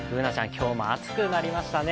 今日も暑くなりましたね。